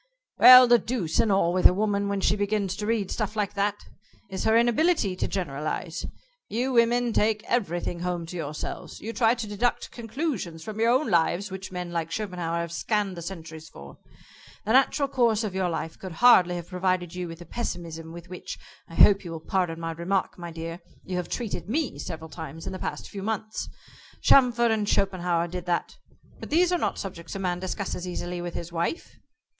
"Well, the deuce and all with a woman when she begins to read stuff like that is her inability to generalize. You women take everything home to yourselves. You try to deduct conclusions from your own lives which men like Schopenhauer have scanned the centuries for. The natural course of your life could hardly have provided you with the pessimism with which I hope you will pardon my remark, my dear you have treated me several times in the past few months. Chamfort and Schopenhauer did that. But these are not subjects a man discusses easily with his wife."